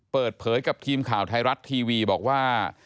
เปิดเผยกับทีมข่าวไทยรัฐทีวีบอกว่า